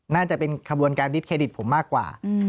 น่าจะเป็นขบวนการดิบเครดิตผมมากกว่า